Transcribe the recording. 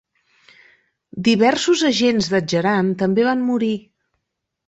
Diversos agents d"Adjaran també van morir.